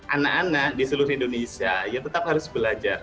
anak anak di seluruh indonesia ya tetap harus belajar